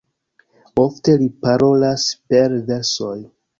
Ofte li parolas per versoj.